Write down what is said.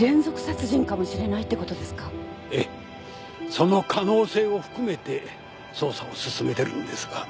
その可能性を含めて捜査を進めてるんですが。